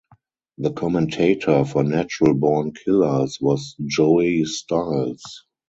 The commentator for Natural Born Killaz was Joey Styles.